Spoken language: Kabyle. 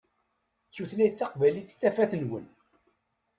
D tutlayt taqbaylit i tafat-nwen.